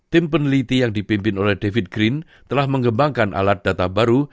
tim peneliti yang dipimpin oleh david green telah mengembangkan alat data baru